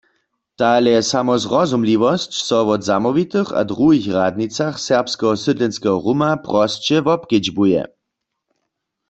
Tale samozrozumliwosć so wot zamołwitych w druhich radnicach serbskeho sydlenskeho ruma prosće wobkedźbuje.